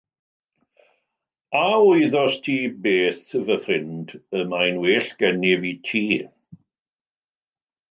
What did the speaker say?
A wyddost ti beth fy ffrind, y mae'n well gennyf i ti.